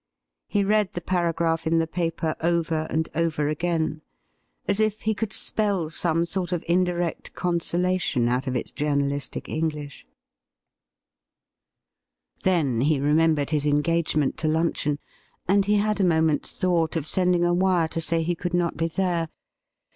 He read the paragraph in the paper over and over again, as if he could spell some sort of in direct consolation out of its jomrnalistic English. Then l50 THE RIDDLE RING he remembered his engagement to luncheon, and he had a moment's thought of sending a wire to say he could not be there.